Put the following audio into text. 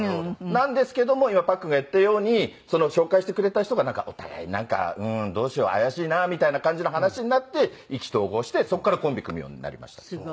なんですけども今パックンが言ったように紹介してくれた人がお互いなんかうーんどうしよう怪しいなみたいな感じの話になって意気投合してそこからコンビ組むようになりました。